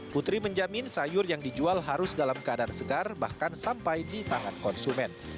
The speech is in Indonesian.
putri menjamin sayur yang dijual harus dalam keadaan segar bahkan sampai di tangan konsumen